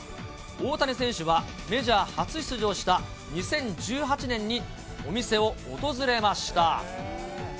大谷選手は、メジャー初出場した２０１８年に、お店を訪れました。